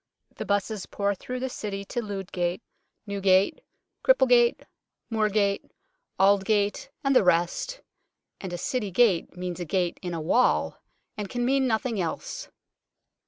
The 'buses pour through the City to Ludgate, Newgate, Cripplegate, Moorgate, Aldgate and the rest, and a City gate means a gate in a wall, and can mean nothing else.